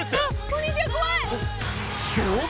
お兄ちゃん怖い。